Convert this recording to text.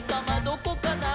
どこかな？」